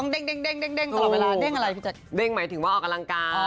เด้งหมายถึงว่าออกกำลังกาย